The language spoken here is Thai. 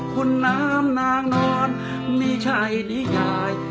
คุณน้ำน้างนอนมีชัยนิยาย